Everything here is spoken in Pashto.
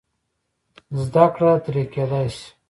زده کړه ترې کېدای شي.